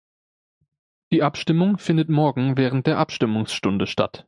Die Abstimmung findet morgen während der Abstimmungsstunde statt.